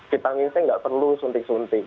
vitamin c nggak perlu suntik suntik